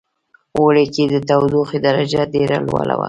اوړی کې د تودوخې درجه ډیره لوړه وی